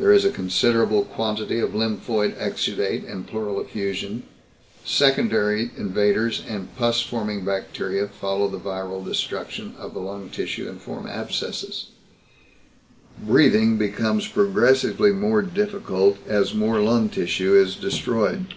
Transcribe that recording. There is a considerable quantity of lymphoid exudate and pleural effusion. Secondary invaders and pus forming bacteria follow the viral destruction of the lung tissue and form abscesses. Breathing becomes progressively more difficult as more lung tissue is destroyed.